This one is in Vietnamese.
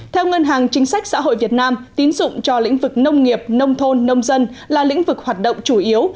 theo ngân hàng chính sách xã hội việt nam tín dụng cho lĩnh vực nông nghiệp nông thôn nông dân là lĩnh vực hoạt động chủ yếu